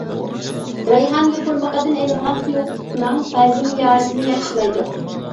رەيھان يوپۇرمىقىدىن ئېلىنغان سۇيۇقلۇقنىڭ ھەزىم يارىسىنى ياخشىلايدۇ.